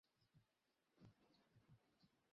আমি বললাম, আপনার কাজ হয়ে গেল?